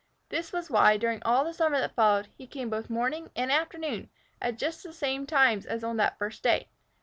This was why, during all the summer that followed, he came both morning and afternoon at just the same times as on that first day.